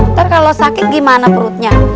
ntar kalau sakit gimana perutnya